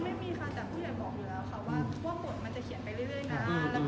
ไม่มีค่ะแต่ผู้ใหญ่บอกอยู่แล้วค่ะว่าบทมันจะเขียนไปเรื่อยนะ